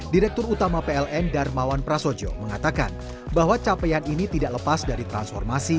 direktur utama pln darmawan prasojo mengatakan bahwa capaian ini tidak lepas dari transformasi